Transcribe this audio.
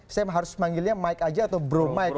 saya harus manggilnya mike aja atau bro mike